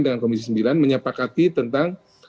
dengan komisi sembilan menyepakati tentang